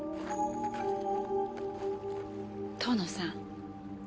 遠野さん。